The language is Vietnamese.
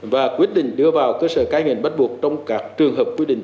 và quyết định đưa vào cơ sở cai nghiện bắt buộc trong các trường hợp quy định